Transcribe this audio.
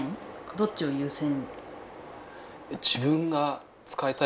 どっちを優先？